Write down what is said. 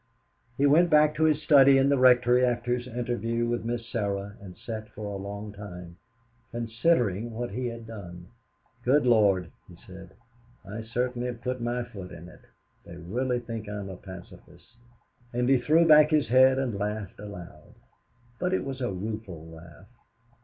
He went back to his study in the rectory after his interview with Miss Sarah and sat for a long time, considering what he had done. "Good Lord!" he said, "I certainly have put my foot in it. They really think I am a pacifist," and he threw back his head and laughed aloud. But it was a rueful laugh.